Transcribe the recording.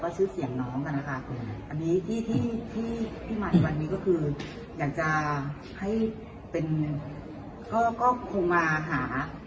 ฟ้าเชื่อเสียงน้องไปนะคะค่ะนี้ที่มีก็คืออยากจะให้เป็นก็มาหา